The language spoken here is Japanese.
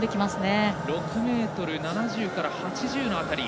６ｍ７０から８０の辺り。